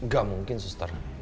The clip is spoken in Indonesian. gak mungkin sister